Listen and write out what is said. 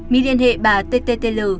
mỹ liên hệ bà t t t l